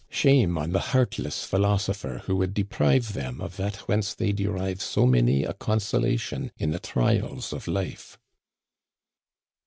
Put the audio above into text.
Shame on the heartless philosopher who would deprive them of that whence they derive so many a consolation in the trials of life